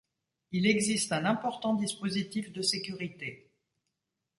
Il existe un important dispositif de sécurité.